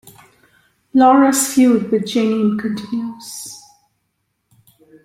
Laura's feud with Janine continues.